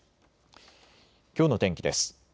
きょうの天気です。